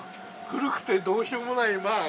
古くてどうしようもない。